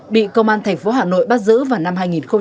bị công an thành phố hà nội bắt giữ vào năm hai nghìn một mươi